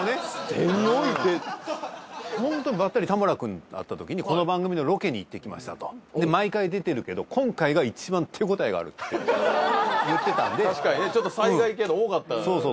手に置いてホントにばったり田村君と会ったときにこの番組のロケに行ってきましたとで毎回出てるけど今回が一番手応えがあるって言ってたんで確かにちょっと災害系の多かったそうそう